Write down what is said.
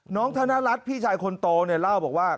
ธนรัฐพี่ชายคนโตเนี่ยเล่าบอกว่า